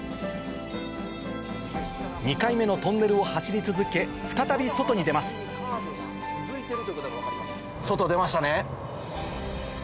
２回目のトンネルを走り続け再び外に出ます外出ましたね。